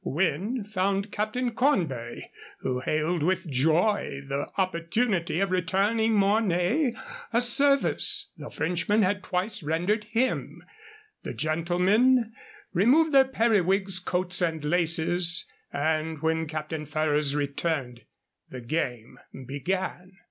Wynne found Captain Cornbury, who hailed with joy the opportunity of returning Mornay a service the Frenchman had twice rendered him. The gentlemen removed their periwigs, coats, and laces, and when Captain Ferrers returned, the game began.